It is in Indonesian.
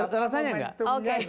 tentu saja enggak